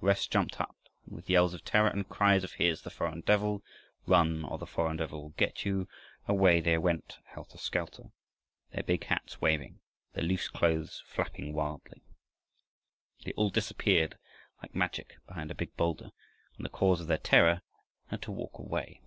The rest jumped up, and with yells of terror and cries of "Here's the foreign devil!" "Run, or the foreign devil will get you!" away they went helter skelter, their big hats waving, their loose clothes flapping wildly. They all disappeared like magic behind a big boulder, and the cause of their terror had to walk away.